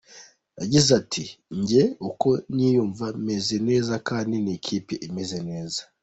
Yagize ati “Njye uko niyumva meze neza kandi n’ikipe imeze neza.